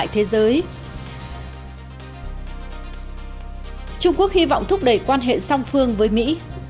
trung quốc hy vọng thúc đẩy quan hệ song phương với mỹ